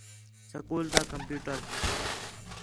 سکول تا کمپیوٹر